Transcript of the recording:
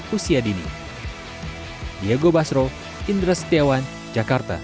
kompetisi usia dini